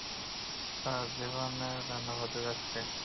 তার জীবন চিরদিনের জন্য বদলে যাচ্ছে।